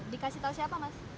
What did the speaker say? dikasih tahu siapa mas